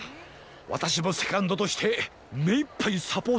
わたしもセカンドとしてめいっぱいサポートするからな。